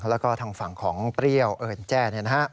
แล้วก็ทางฝั่งของเปรี้ยวเอิญแจ้เนี่ยนะครับ